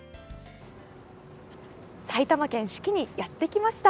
埼玉県志木にやってきました。